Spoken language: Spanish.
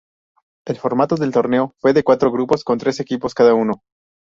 El formato del torneo fue de cuatro grupos con tres equipos cada uno.